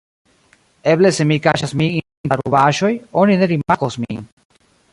"Eble se mi kaŝas min inter la rubaĵoj, oni ne rimarkos min."